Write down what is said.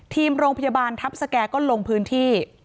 ทีมโรงพยาบาลทัพสแก่ก็ลงพื้นที่